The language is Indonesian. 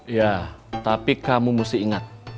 ya tapi kamu mesti ingat